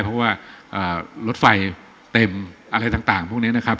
เพราะว่ารถไฟเต็มอะไรต่างพวกนี้นะครับ